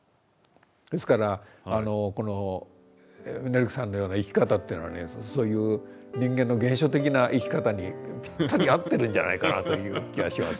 ですからネルケさんのような生き方っていうのはねそういう人間の原初的な生き方にぴったり合ってるんじゃないかなという気がしますね。